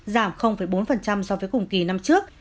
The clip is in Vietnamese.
giảm bốn so với cùng kỳ năm trước